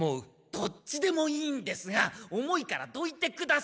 どっちでもいいんですが重いからどいてください！